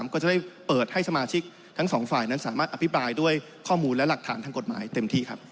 ก็จะได้เปิดให้สมาชิกทั้งสองฝ่ายนั้นสามารถอภิปรายด้วยข้อมูลและหลักฐานทางกฎหมายเต็มที่ครับ